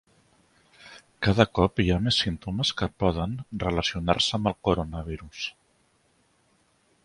Cada cop hi ha més símptomes que poden relacionar-se amb el coronavirus